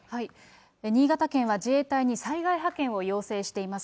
新潟県は、自衛隊に災害派遣を要請しています。